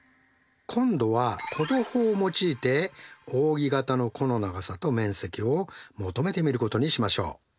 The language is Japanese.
今度は弧度法を用いておうぎ形の弧の長さと面積を求めてみることにしましょう。